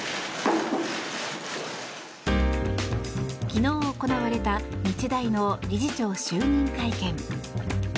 昨日、行われた日大の理事長就任会見。